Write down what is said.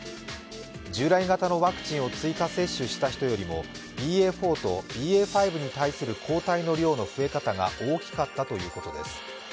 従来型のワクチンを追加接種した人よりもＢＡ．４とＢＡ．５に対する抗体の量の増え方が大きかったということです。